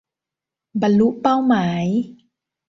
บรรลุเป้าหมาย